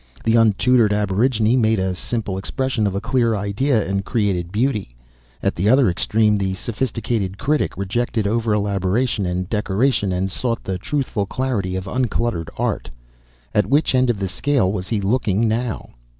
The untutored aborigine made a simple expression of a clear idea, and created beauty. At the other extreme, the sophisticated critic rejected over elaboration and decoration and sought the truthful clarity of uncluttered art. At which end of the scale was he looking now?